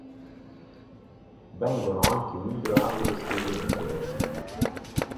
Vengono anche migliorate le schede video.